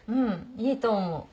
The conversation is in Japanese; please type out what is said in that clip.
いいと思う。